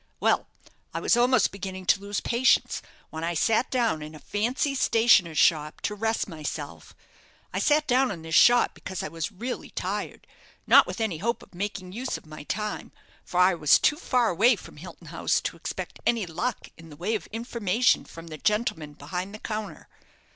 Well, I was almost beginning to lose patience, when I sat down in a fancy stationer's shop to rest myself. I sat down in this shop because I was really tired, not with any hope of making use of my time, for I was too far away from Hilton House to expect any luck in the way of information from the gentleman behind the counter.